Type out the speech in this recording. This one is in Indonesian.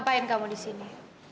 apa yang kamu lakukan disini